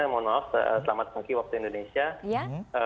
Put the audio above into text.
mohon maaf selamat pagi waktu indonesia